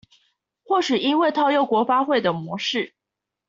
或許因為套用國發會的模式